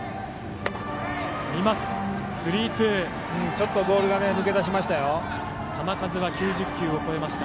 ちょっとボールが抜け出しました。